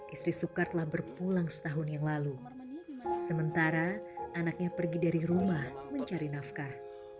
istri sukar telah berpulang setahun yang lalu sementara anaknya pergi dari rumah mencari nafkah